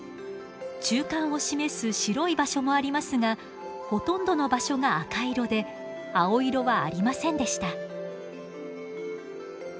中間を示す白い場所もありますがほとんどの場所が赤色で青色はありませんでした。